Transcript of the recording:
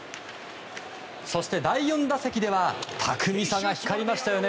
そして第４打席では巧みさが光りましたね